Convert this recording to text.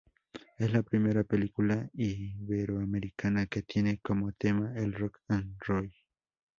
Es la primera película iberoamericana que tiene como tema el rock and roll.